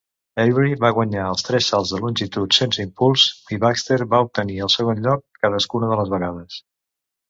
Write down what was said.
Ewry va guanyar els tres salts de longitud sense impuls i Baxter va obtenir el segon lloc cadascuna de les vegades.